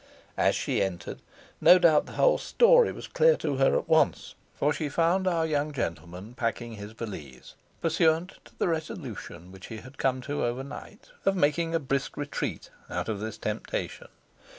As she entered, no doubt the whole story was clear to her at once, for she found our young gentleman packing his valise, pursuant to the resolution which he had come to over night of making a brisk retreat out of this temptation.